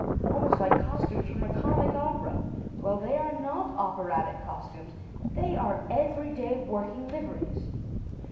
Almost like costumes from a comic opera. Well, they are not operatic costumes. They are every day working liveries.